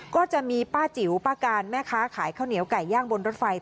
ก็จะมีป้าจิ๋วป้าการแม่ค้าขายข้าวเหนียวไก่ย่างบนรถไฟ